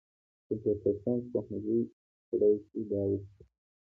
کمپیوټر ساینس پوهنځۍ کړای شي دا وکړي.